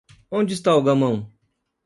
onde está o gamão?